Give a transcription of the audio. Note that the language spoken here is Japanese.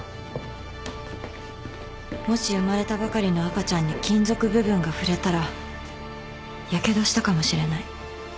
もし生まれたばかりの赤ちゃんに金属部分が触れたらやけどしたかもしれない。